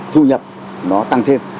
thu nhập nó tăng thêm